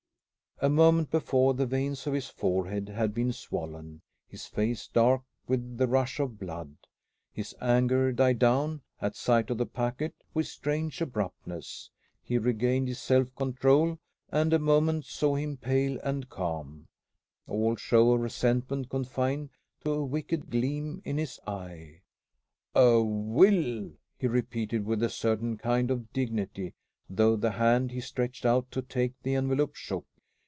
A moment before the veins of his forehead had been swollen, his face dark with the rush of blood. His anger died down, at sight of the packet, with strange abruptness. He regained his self control, and a moment saw him pale and calm, all show of resentment confined to a wicked gleam in his eye. "A will!" he repeated, with a certain kind of dignity, though the hand he stretched out to take the envelope shook.